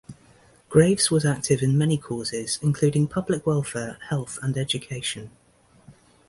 Graves was active in many causes, including public welfare, health, and education.